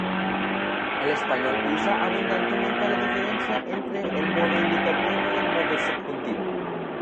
El español usa abundantemente la diferencia entre el modo indicativo y el modo subjuntivo.